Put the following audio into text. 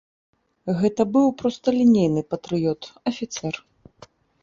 Гэта быў просталінейны патрыёт, афіцэр.